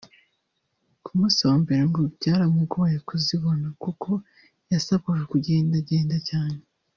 Ku munsi wa mbere ngo byaramugoye kuzibona kuko yasabwaga kugenda genda cyane